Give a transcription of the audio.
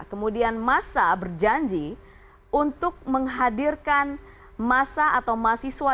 kemudian masa berjanji untuk menghadirkan masa atau mahasiswa